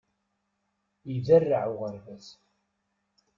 Iderreɛ uɣerbaz.